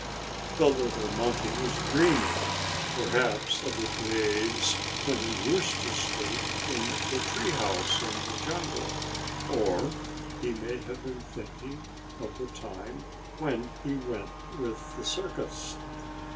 The little monkey was dreaming, perhaps of the days when he used to sleep in the tree house in the jungle, or he may have been thinking of the time when he went with the circus.